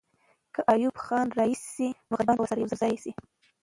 که ایوب خان را رهي سي، نو غازیان به ورسره یو ځای سي.